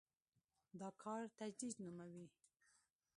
دا کار تجدید نوموي.